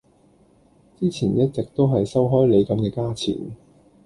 之前一直都係收開你咁嘅價錢